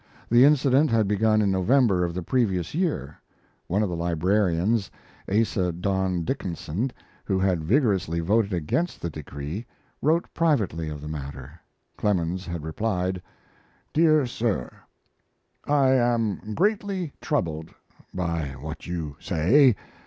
The incident had begun in November of the previous year. One of the librarians, Asa Don Dickinson, who had vigorously voted against the decree, wrote privately of the matter. Clemens had replied: DEAR SIR, I am greatly troubled by what you say.